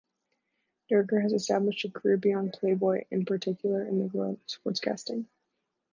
Dergan has established a career beyond "Playboy", in particular in the world of sportscasting.